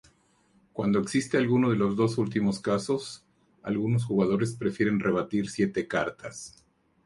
Cuando existe alguno de los dos últimos casos algunos jugadores prefieren repartir siete cartas.